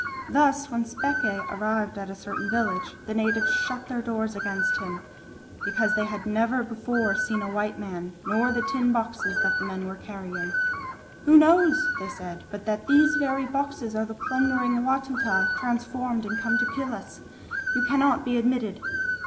Thus when Speke arrived at a certain village, the natives shut their doors against him, "because they had never before seen a white man nor the tin boxes that the men were carrying: 'Who knows,' they said, 'but that these very boxes are the plundering Watuta transformed and come to kill us? You cannot be admitted.'